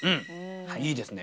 いいですね